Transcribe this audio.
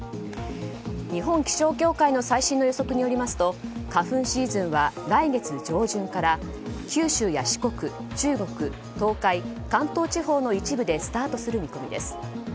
日本気象協会の最新の予測によりますと花粉シーズンは来月上旬から九州や四国、中国、東海関東地方の一部でスタートする見込みです。